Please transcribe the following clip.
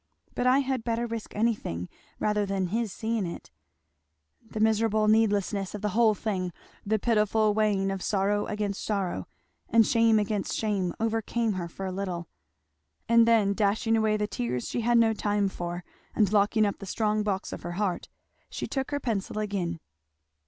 But I had better risk anything rather than his seeing it " The miserable needlessness of the whole thing, the pitiful weighing of sorrow against sorrow, and shame against shame overcame her for a little; and then dashing away the tears she had no time for and locking up the strong box of her heart, she took her pencil again.